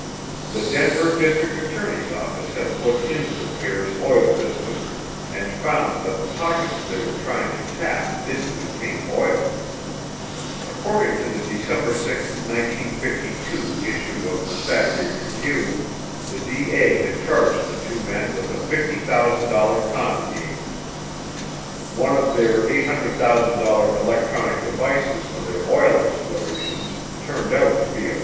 The Denver district attorney's office had looked into the pair's oil business and found that the pockets they were trying to tap didn't contain oil. According to the December 6, 1952, issue of the Saturday Review, the D.A. had charged the two men with a $50,000 con game. One of their $800,000 electronic devices for their oil explorations turned out to be a $4.